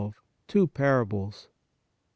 12. Two PARABLES I.